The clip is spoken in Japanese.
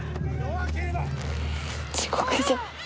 地獄じゃ。